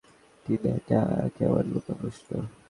টিনা, এটা কেমন বোকা প্রশ্ন।